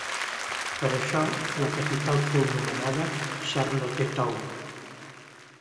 Per això, la capital fou nomenada Charlottetown.